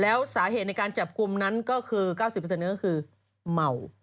แล้วสาเหตุในการจับกลุ่มนั้นก็คือ๙๐ก็คือเมา